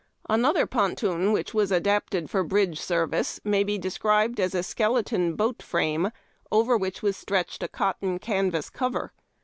Another ponton which was adopted for bridge service may be described as a skeleton boat frame, over which was stretched a cotton canvas cover.